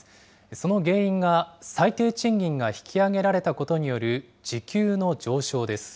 その原因が、最低賃金が引き上げられたことによる時給の上昇です。